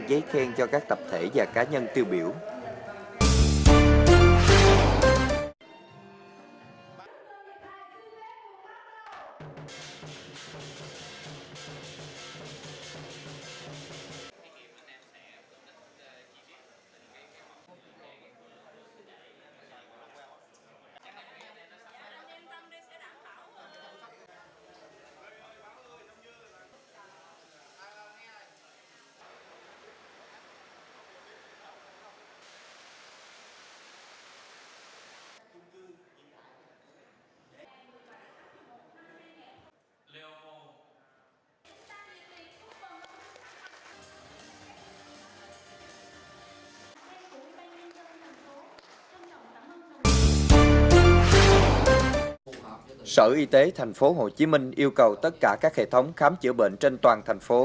sở y tế thành phố hồ chí minh yêu cầu tất cả các hệ thống khám chữa bệnh trên toàn thành phố